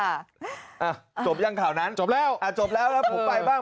อ่ะจบยังข่าวนั้นจบแล้วอ่ะจบแล้วแล้วผมไปบ้าง